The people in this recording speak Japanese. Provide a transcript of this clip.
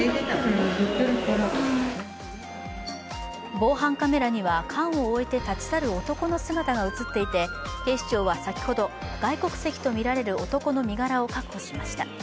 防犯カメラには缶を置いて立ち去る男の姿が映っていて警視庁は先ほど、外国籍とみられる男の身柄を確保しました。